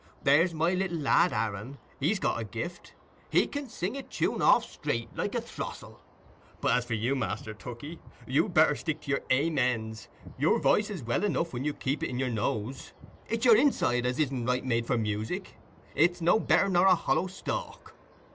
There's my little lad Aaron, he's got a gift—he can sing a tune off straight, like a throstle. But as for you, Master Tookey, you'd better stick to your "Amens": your voice is well enough when you keep it up in your nose. It's your inside as isn't right made for music: it's no better nor a hollow stalk."